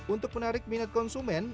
untuk menarik minat konsumen